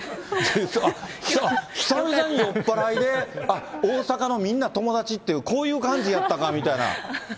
あっ、久々に酔っ払いで、あっ、大阪のみんな友達って、こういう感じやったかみたいな。